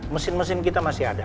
mesin mesin kita masih ada